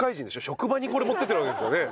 職場にこれ持っていってるわけですからね。